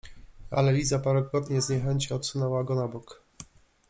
Ale Liza parokrotnie z niechęcią odsunęła go na bok.